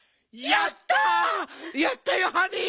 やったよハニー！